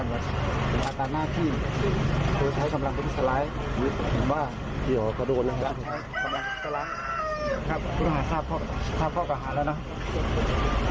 นี่นะคะเดี๋ยวไปดูภาพตอนช่วงที่ตำรวจอ่านหมายแล้วก็ควบคุมตัวยูทูบเบอร์คนนี้นะคะ